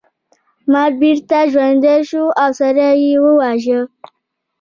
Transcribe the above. مار بیرته ژوندی شو او سړی یې وواژه.